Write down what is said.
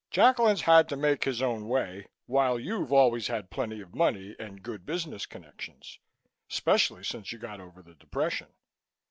Jacklin's had to make his own way, while you've always had plenty of money and good business connections, especially since you got over the depression.